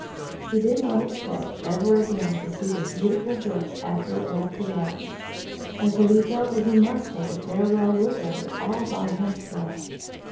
He did not expect ever again to see the beautiful book after it left the Abbey, and so he felt that he must take a farewell look at it all by himself.